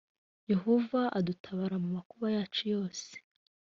yehova adutabara mu makuba yacu yose.